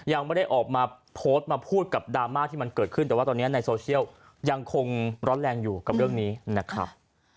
ยังไม่ได้ออกมาโพสต์มาพูดกับดราม่าที่มันเกิดขึ้นแต่ว่าตอนนี้ในโซเชียลยังคงร้อนแรงอยู่กับเรื่องนี้นะครับ